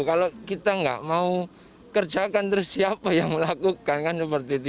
kalau kita nggak mau kerjakan terus siapa yang melakukan kan seperti itu